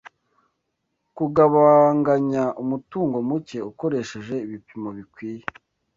Kugabanganya umutungo muke ukoresheje ibipimo bikwiye